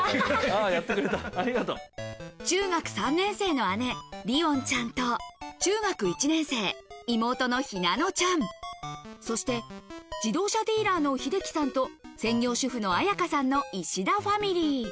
中学３年生の姉・凛音ちゃんと、中学１年生、妹の陽音ちゃん、そして自動車ディーラーの秀樹さんと専業主婦の綾香さんの石田ファミリー。